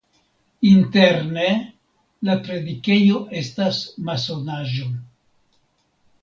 Interne la predikejo estas masonaĵo.